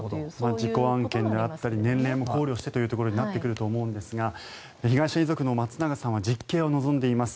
自己案件を狙ったり年齢を考慮してということになってくると思うんですが遺族の松永さんは実刑を望んでいます。